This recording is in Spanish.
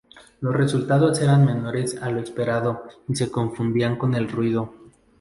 Los resultados eran menores a lo esperado y se confundían con el ruido.